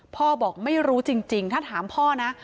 บอกไม่รู้จริงถ้าถามพ่อนะ